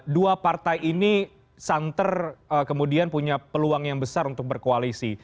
dua partai ini santer kemudian punya peluang yang besar untuk berkoalisi